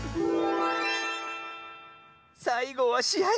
さいごはしあい！